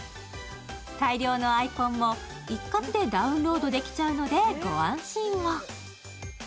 大量のアイコンを一括でダウンロードできちゃうのでご安心を。